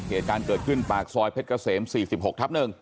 เหตุการณ์เกิดขึ้นปากซอยเพชรเกษม๔๖ทับ๑